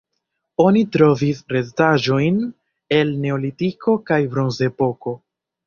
Oni trovis restaĵojn el Neolitiko kaj Bronzepoko.